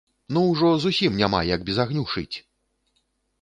Ну, ужо зусім няма як без агню шыць!